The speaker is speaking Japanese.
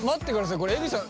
これ江口さん